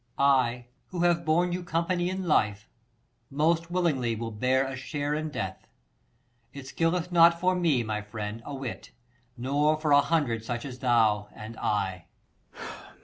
Per. I, who have borne you company in life, Most willingly will bear a share in death. It skilleth not for me, my friend, a whit, 245 Nor for a hundred such as thou and I.